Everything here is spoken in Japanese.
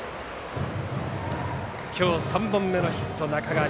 今日、３本目のヒット、中上。